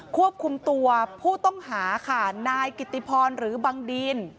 ควบคุมตัวผู้ต้องหาค่ะนายกิติพรหรือบังดีน